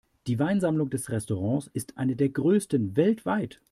Die Weinsammlung des Restaurants ist eine der größten weltweit.